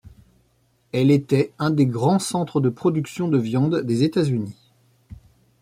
Elle était un des grands centres de production de viande des États-Unis.